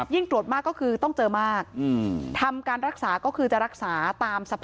ตรวจมากก็คือต้องเจอมากทำการรักษาก็คือจะรักษาตามสภาพ